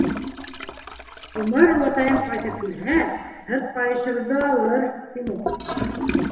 Үмәр олатайым ҡайтып килһә, һырт ҡайышыбыҙҙы алыр, — тине.